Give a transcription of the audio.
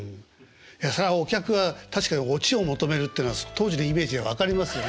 いやそりゃお客は確かにオチを求めるっていうのは当時のイメージでは分かりますよね。